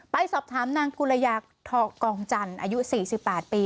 ไปสอบถามนางกุลยาทอกองจันทร์อายุ๔๘ปี